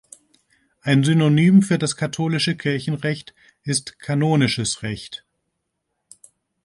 Ein Synonym für das katholische Kirchenrecht ist "kanonisches Recht".